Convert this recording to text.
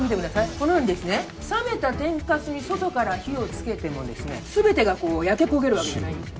このように冷めた天かすに外から火を付けても全てが焼け焦げるわけじゃないんですよ